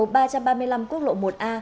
tại km số ba trăm ba mươi năm quốc lộ một a